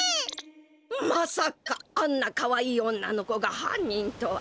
まさかあんなかわいい女の子がはん人とは。